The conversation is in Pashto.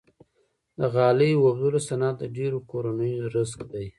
د غالۍ اوبدلو صنعت د ډیرو کورنیو رزق دی۔